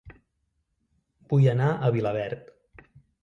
Vull anar a Vilaverd